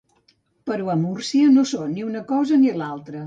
Però a Múrcia no són ni una cosa ni l'altra.